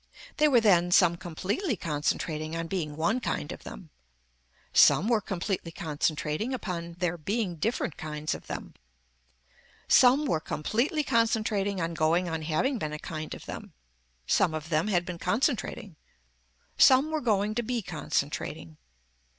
They were then some completely concentrating on being one kind of them. Some were completely concentrating upon their being different kinds of them. Some were completely concentrating on going on having been a kind of them. Some of them had been concentrating. Some were going to be concentrating.